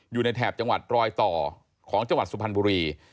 แถบจังหวัดรอยต่อของจังหวัดสุพรรณบุรี